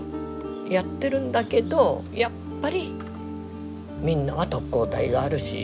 やってるんだけどやっぱりみんなは特攻隊があるし。